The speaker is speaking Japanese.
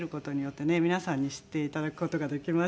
皆さんに知っていただく事ができましたね。